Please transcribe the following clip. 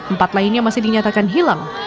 empat lainnya masih dinyatakan hilang